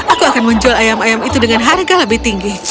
aku akan menjual ayam ayam itu dengan harga lebih tinggi